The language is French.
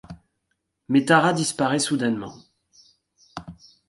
Mais Tara disparaît soudainement...